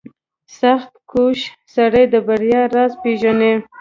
• سختکوش سړی د بریا راز پېژني.